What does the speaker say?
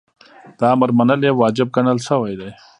د امر منل یی واجب ګڼل سوی دی .